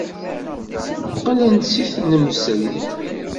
Qqlen-d seg tnemselt.